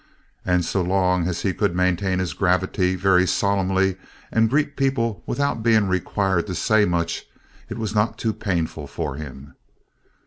And so long as he could maintain his gravity very solemnly and greet people without being required to say much, it was not too painful for him.